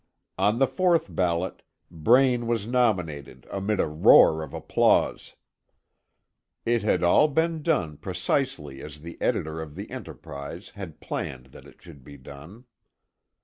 On the fourth ballot, Braine was nominated amid a roar of applause. It had all been done precisely as the editor of the Enterprise had planned that it should be done.